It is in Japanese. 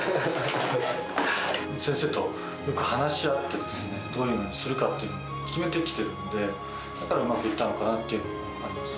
先生とよく話し合ってですね、どういうふうにするかというのを決めてきてるんで、だからうまくいったのかなと思います。